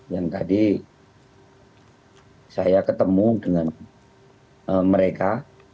yang tadi saya ketemu dengan mereka